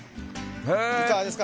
いかがですか？